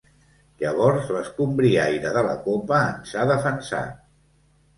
Llavors l'escombriaire de la copa ens ha defensat.